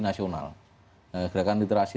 nasional gerakan literasi